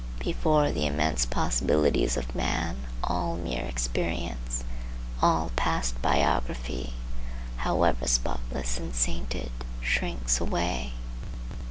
Before the immense possibilities of man all mere experience, all past biography, however spotless and sainted, shrinks away.